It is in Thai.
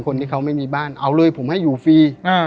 คนที่เขาไม่มีบ้านเอาเลยผมให้อยู่ฟรี